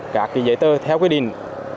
các giấy tơ theo quy định